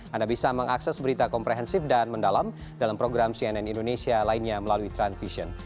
anda bisa mengakses berita komprehensif dan mendalam dalam program cnn indonesia lainnya melalui transvision